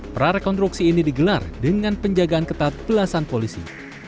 para rekonstruksi ini digelar dengan penjagaan ketat belasan polisi